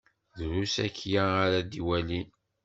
Drus akya ara d-iwalin.